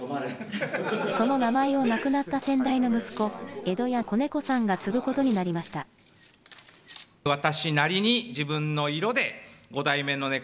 その名前を亡くなった先代の息子、江戸家小猫さんが継ぐことになりました。